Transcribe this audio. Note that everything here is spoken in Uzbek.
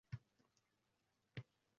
Xiyobonga yo‘l oldi.